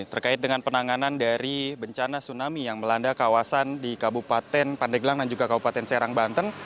terkait dengan penanganan dari bencana tsunami yang melanda kawasan di kabupaten pandeglang dan juga kabupaten serang banten